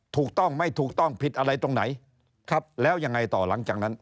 ถูกต้องไม่ถูกต้องผิดอะไรตรงไหนครับแล้วยังไงต่อหลังจากนั้น